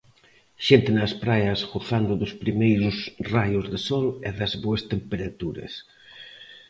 Xente nas praias gozando dos primeiros raios de sol e das boas temperaturas.